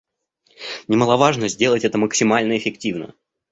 Немаловажно сделать это максимально эффективно